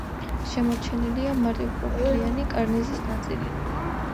შემორჩენილია მარტივპროფილიანი კარნიზის ნაწილი.